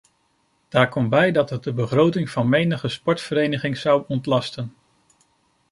Daar komt bij dat het de begroting van menige sportvereniging zou ontlasten.